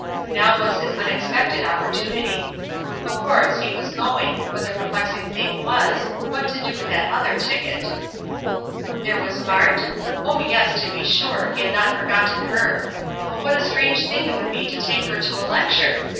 Now was his unexpected opportunity. Of course, he was going, but the perplexing thing was, what to do with that other ticket. There was Mart? Oh, yes, to be sure, he had not forgotten her; but what a strange thing it would be to take her to a lecture!